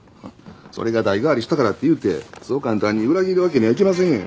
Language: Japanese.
それが代替わりしたからっていうてそう簡単に裏切るわけにはいきませんよ。